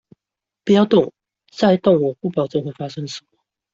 不要動，再動我不保證會發生什麼